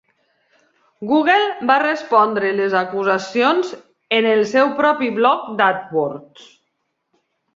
Google va respondre les acusacions en el seu propi blog d'AdWords.